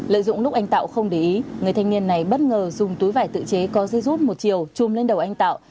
lợi dụng lúc anh tạo không để ý người thanh niên này bất ngờ dùng túi vải tự chế có dây rút một chiều chôm lên đầu anh tạo